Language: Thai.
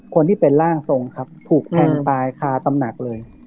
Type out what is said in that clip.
คนที่เป็นร่างทรงครับถูกแทงตายคาตำหนักเลย